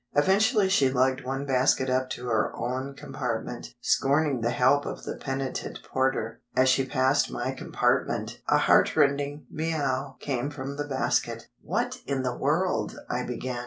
Eventually she lugged one basket up to her own compartment, scorning the help of the penitent porter. As she passed my compartment, a heartrending "mee au" came from the basket. "What in the world—!!—!!!" I began.